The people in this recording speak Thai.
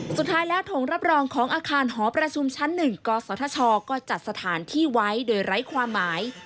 สุดท้ายแล้วทงรับรองของอาคารหอประชุมชั้น๑กศธชก็จัดสถานที่ไว้โดยไร้ความหมาย